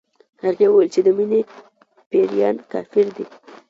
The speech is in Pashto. هغې ويل چې د مينې پيريان کافر دي